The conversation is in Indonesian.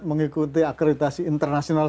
mengikuti akreditasi internasional